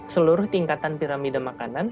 seluruh tingkatan piramida makanan